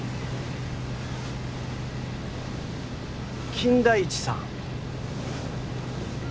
金田一さん？